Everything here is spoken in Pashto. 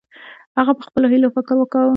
هغه په خپلو هیلو فکر کاوه.